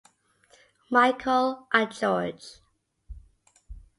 Michael and George.